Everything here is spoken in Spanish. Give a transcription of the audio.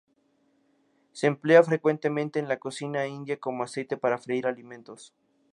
Se emplea frecuentemente en la cocina india como aceite para freír alimentos.